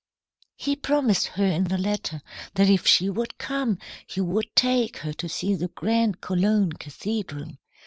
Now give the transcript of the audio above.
"He promised her in the letter that if she would come, he would take her to see the grand Cologne cathedral.